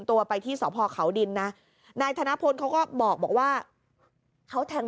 ตัวไปที่สพเขาดินนะนายธนพลเขาก็บอกว่าเขาแทง